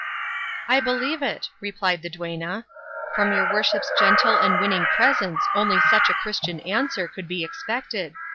"I believe it," replied the duenna; "from your worship's gentle and winning presence only such a Christian answer could be expected.